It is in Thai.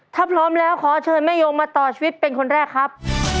ถ้าพร้อมแล้วขอเชิญแม่ยงมาต่อชีวิตเป็นคนแรกครับ